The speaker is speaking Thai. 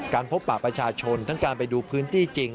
พบปะประชาชนทั้งการไปดูพื้นที่จริง